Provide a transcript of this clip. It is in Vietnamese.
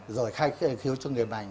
rồi khai khíu cho người bệnh